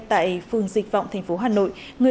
tại phương dịch vọng thành phố hà nội